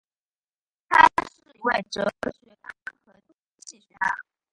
他是一位哲学家和经济学家。